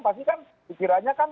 pasti kan pikirannya kan